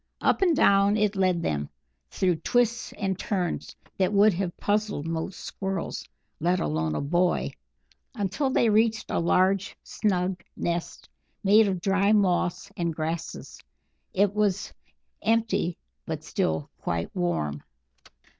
Up and down it led them, through twists and turns that would have puzzled most Squirrels, let alone a boy, until they reached a large snug nest made of dry moss and grasses. It was empty, but still quite warm.